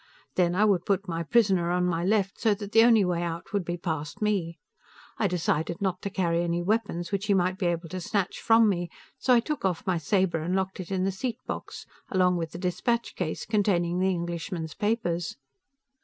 Then, I would put my prisoner on my left, so that the only way out would be past me. I decided not to carry any weapons which he might be able to snatch from me, so I took off my saber and locked it in the seat box, along with the dispatch case containing the Englishman's papers.